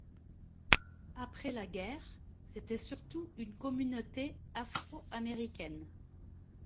Après la guerre, c'était surtout une communauté afro-américaine.